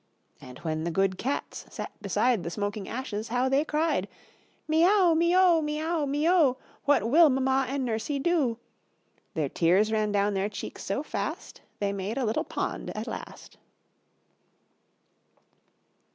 And when the good cats sat beside The smoking ashes, how they cried! "Me ow, me oo, me ow, me oo, What will Mamma and Nursey do?" Their tears ran down their cheeks so fast, They made a little pond at last.